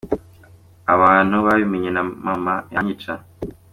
abantu babimenye na Mama banyica.